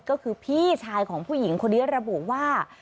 ก็คือพี่ชายของผู้หญิงคนนี้ระบุว่า